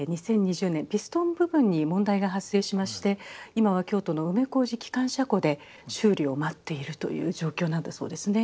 ピストン部分に問題が発生しまして今は京都の梅小路機関車庫で修理を待っているという状況なんだそうですね。